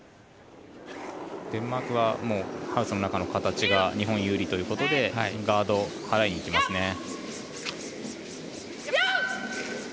デンマークはハウスの中の形が日本有利ということでガードを払いに行きますね。